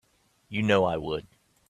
You know I would.